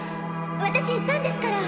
私言ったんですから。